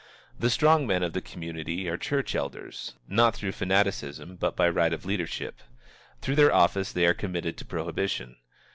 The strong men of the community are church elders, not through fanaticism, but by right of leadership. Through their office they are committed to prohibition.